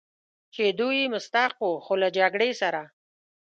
چې دوی یې مستحق و، خو له جګړې سره.